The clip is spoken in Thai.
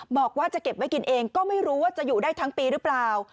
บอกว่าจะเก็บไว้กินเองก็ไม่รู้ว่าจะอยู่ได้ทั้งปีหรือเปล่า